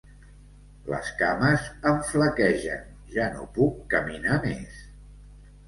Les cames em flaquegen: ja no puc caminar més!